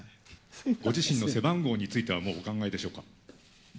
ご自身の背番号については、もうお考えでしょうか。